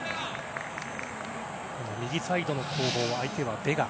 右サイドの攻防、相手はベガ。